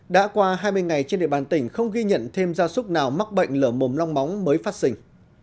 đã qua hai mươi ngày trên địa bàn tỉnh không ghi nhận thêm gia súc nào mắc bệnh lở mồm long móng mới phát sinh